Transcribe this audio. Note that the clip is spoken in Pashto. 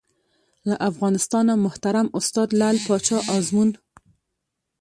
له افغانستانه محترم استاد لعل پاچا ازمون